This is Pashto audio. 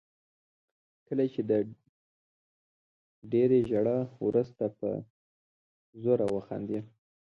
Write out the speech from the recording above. کله چې د ډېرې ژړا وروسته په زوره وخاندئ.